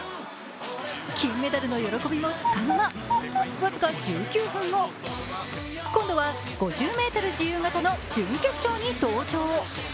金メダルの喜びもつかの間、僅か１９分後、今度は５０ｍ自由形の準決勝に登場。